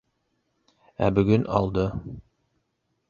Ә бөгөн алды.